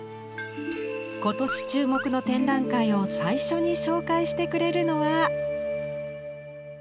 今年注目の展覧会を最初に紹介してくれるのは。